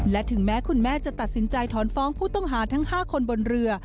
และถึงแม้คุณแม่จะตัดสินใจถอนฟ้องผู้ต้องหาทั้ง๕คนบนเรือ